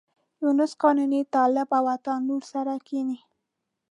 یونس قانوني، طالب او عطا نور سره کېني.